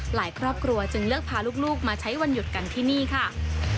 ครอบครัวจึงเลือกพาลูกมาใช้วันหยุดกันที่นี่ค่ะ